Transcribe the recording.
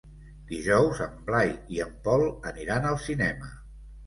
Dijous en Blai i en Pol aniran al cinema.